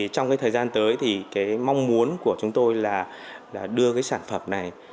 trong thời gian tới mong muốn của chúng tôi là đưa sản phẩm này